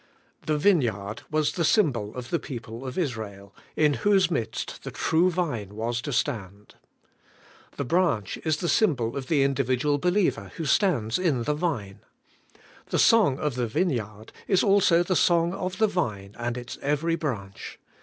THE vineyard was the symbol of the people oi Israel, in whose midst the True Vine was to stand. The branch is the symbol^ of the individual believer, who stands in the Vine. The song of the vineyard is also the song of the Vine and its every branch.